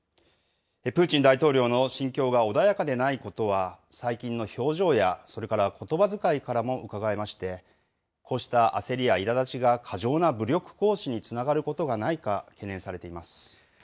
プーチン大統領の心境が穏やかでないことは、最近の表情や、それからことばづかいからも伺えまして、こうした焦りやいらだちが過剰な武力行使につながることがないか、懸念されています。